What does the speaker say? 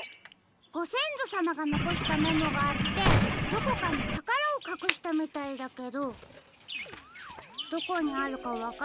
ごせんぞさまがのこしたメモがあってどこかにたからをかくしたみたいだけどどこにあるかわからないって。